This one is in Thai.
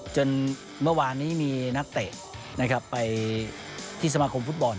จนเมื่อวานนี้มีนักเตะไปที่สมาคมฟุตบอล